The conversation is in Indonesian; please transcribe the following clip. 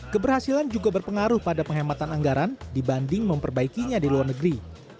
keberhasilan juga berpengaruh pada penghematan anggaran dibanding memperbaikinya di luar negeri